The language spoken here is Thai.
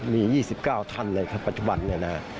มีอาทิตยา๒๙ทันในปัจจุบัน